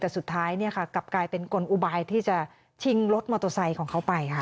แต่สุดท้ายกลับกลายเป็นกลอุบายที่จะชิงรถมอเตอร์ไซค์ของเขาไปค่ะ